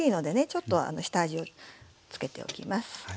ちょっと下味をつけておきます。